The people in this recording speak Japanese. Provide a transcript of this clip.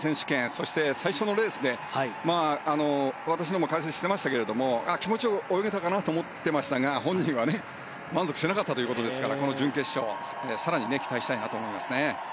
そして、最初のレースで私も解説していましたが気持ちよく泳げたかなと思っていましたが本人は満足してなかったということですからこの準決勝、更に期待したいなと思いますね。